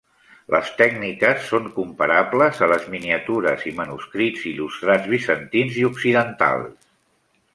Les tècniques són comparables a les miniatures i manuscrits il·lustrats bizantins i occidentals.